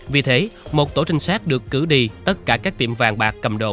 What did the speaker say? vì thế một tổ trinh sát được cử đi tất cả các tiệm vàng bạc cầm đồ